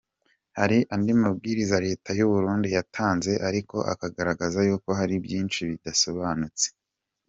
Hari andi mabwiriza leta y’u Burundi yatanze ariko akagaragaza yuko hari byinshi bidasobanutse.